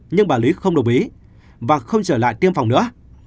nhưng bà lý không đồng ý và không trở lại tiêm phòng nữa